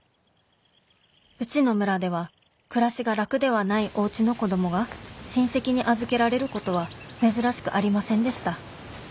うちの村では暮らしが楽ではないおうちの子供が親戚に預けられることは珍しくありませんでした。